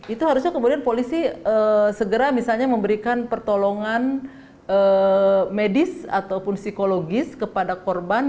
itu harusnya kemudian polisi segera misalnya memberikan pertolongan medis ataupun psikologis kepada korban